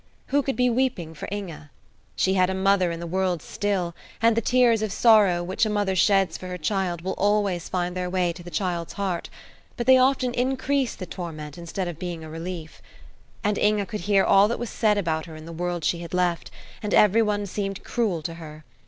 Who could be weeping for Inge? She had a mother in the world still, and the tears of sorrow which a mother sheds for her child will always find their way to the child's heart, but they often increase the torment instead of being a relief. And Inge could hear all that was said about her in the world she had left, and every one seemed cruel to her.